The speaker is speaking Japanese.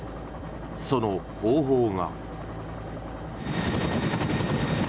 その方法が。